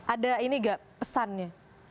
ada ini gak pesannya